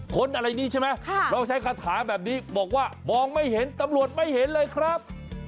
คนอะไรนี่ใช่ไหมเราใช้คาถาแบบนี้บอกว่ามองไม่เห็นตำรวจไม่เห็นเลยครับ